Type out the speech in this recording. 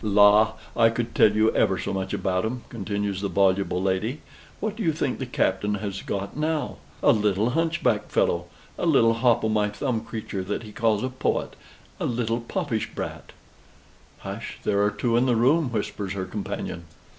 "La, I could tell you ever so much about 'em," continues the voluble lady. "What do you think the Captain has got now? a little hunchback fellow a little hop o' my thumb creature that he calls a poet a little Popish brat!" "Hush, there are two in the room," whispers her companion.